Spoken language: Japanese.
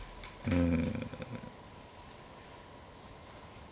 うん。